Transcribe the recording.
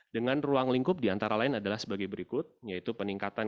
dengan ruang lingkup diantara lain adalah sebagai berikut yaitu peningkatan